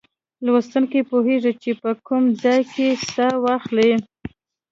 لوستونکی پوهیږي چې په کوم ځای کې سا واخلي.